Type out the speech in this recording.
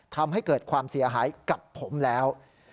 ทำให้เกิดความเสียหายกับผมแล้ว